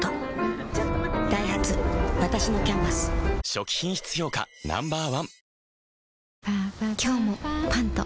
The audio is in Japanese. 初期品質評価Ｎｏ．１